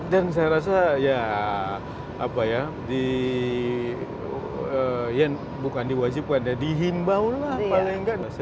dan saya rasa ya apa ya di bukan diwajibkan ya dihimbau lah paling gak